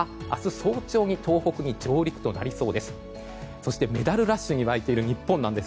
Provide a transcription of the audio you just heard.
早朝に東北に上陸となりそうです。